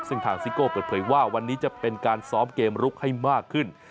ซึ่งทางซิโก้เปิดเผยว่าวันนี้จะเป็นการซ้อมเกมลุกให้มากขึ้น